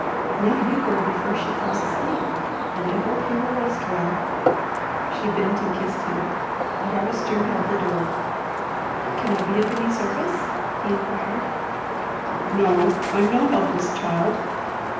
"Now you go before she falls asleep, and I hope you will rest well." She bent and kissed him. The Harvester held the door. "Can I be of any service?" he inquired. "No, I'm no helpless child."